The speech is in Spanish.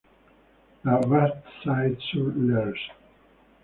La Bastide-sur-l'Hers